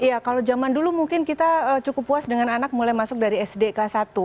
ya kalau zaman dulu mungkin kita cukup puas dengan anak mulai masuk dari sd kelas satu